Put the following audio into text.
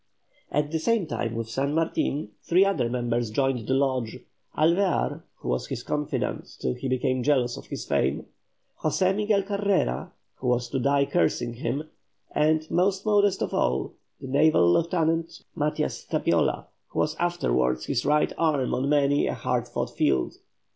At the same time with San Martin three other members joined the lodge; Alvear, who was his confidant till he became jealous of his fame; José Miguel Carrera, who was to die cursing him; and, most modest of all, the naval lieutenant Matias Zapiola, who was afterwards his right arm on many a hard fought field.